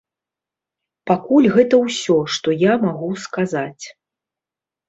Пакуль гэта ўсё, што я магу сказаць.